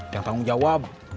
yang tanggung jawab